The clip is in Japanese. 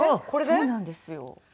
そうなんですよ。